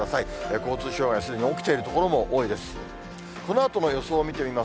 交通障害がすでに起きている所も多いです。